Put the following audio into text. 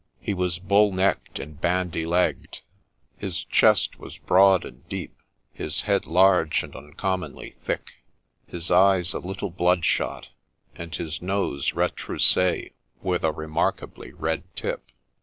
He was bull necked and bandy legged ; his chest was broad and deep, his head large and uncommonly thick, his eyes a little bloodshot, and his nose retrousse with a remark ably red tip.